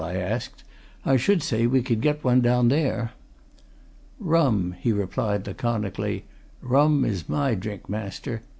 I asked. "I should say we could get one down there." "Rum," he replied, laconically. "Rum is my drink, master.